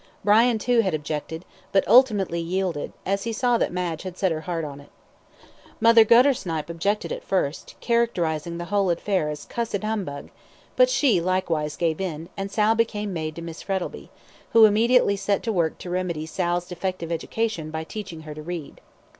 Brian, too, had objected, but ultimately yielded, as he saw that Madge had set her heart on it. Mother Guttersnipe objected at first, characterising the whole affair as "cussed 'umbug," but she, likewise, gave in, and Sal became maid to Miss Frettlby, who immediately set to work to remedy Sal's defective education by teaching her to read.